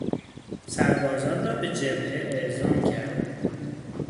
سربازان را به جبهه اعزام کردند.